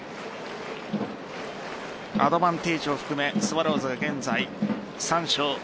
アドバンテージを含めスワローズは現在３勝。